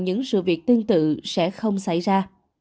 những sự việc tương tự sẽ không xảy ra